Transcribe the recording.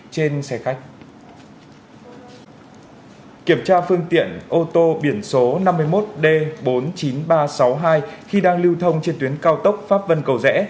kiểm tra phương tiện ô tô biển số năm mươi một d bốn mươi chín nghìn ba trăm sáu mươi hai khi đang lưu thông trên tuyến cao tốc pháp vân cầu rẽ